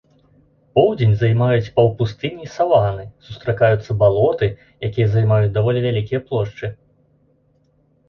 Поўдзень займаюць паўпустыні і саваны, сустракаюцца балоты, якія займаюць даволі вялікія плошчы.